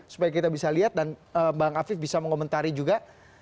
supaya kita bisa lihat dan bang afif bisa mengomentari juga